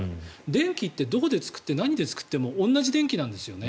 電気でどこで作って何で作っても同じ電気なんですよね。